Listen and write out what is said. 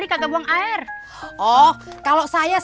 satu bungkus aja